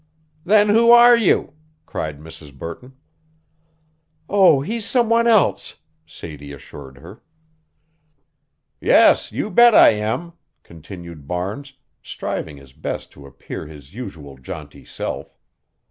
"Then who are you?" cried Mrs. Burton. "Oh, he's some one else," Sadie assured her. "Yes, you bet I am," continued Barnes, striving his best to appear his usual jaunty self.